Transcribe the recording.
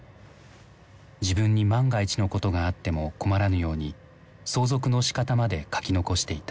自分に万が一のことがあっても困らぬように相続のしかたまで書き残していた。